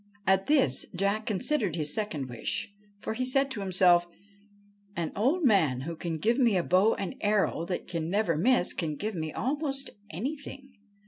At this Jack considered his second wish, for he said to himself, ' An old man who can give me a bow and arrow that can never miss, can give me almost anything.'